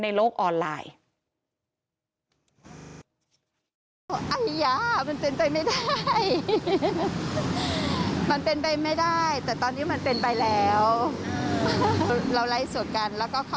ในโลกออนไลน์